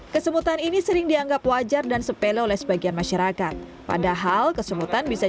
kesemutan ini sering dianggap wajar dan sepele oleh sebagian masyarakat padahal kesemutan bisa